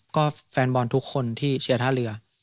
ก็แฟนบอลทุกคนที่เชียร์ท่าเรือ